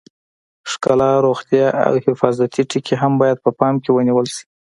ښکلا، روغتیا او حفاظتي ټکي هم باید په پام کې ونیول شي.